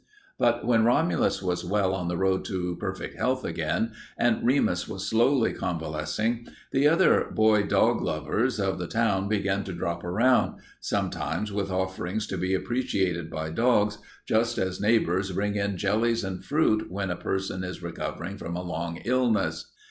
But when Romulus was well on the road to perfect health again and Remus was slowly convalescing, the other boy dog lovers of the town began to drop around, sometimes with offerings to be appreciated by dogs, just as neighbors bring in jellies and fruit when a person is recovering from a long illness.